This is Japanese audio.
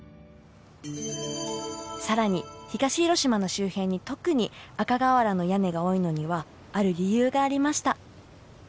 更に東広島の周辺に特に赤瓦の屋根が多いのにはある理由がありました。